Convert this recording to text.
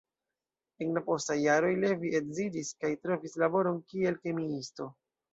En la postaj jaroj, Levi edziĝis kaj trovis laboron kiel kemiisto.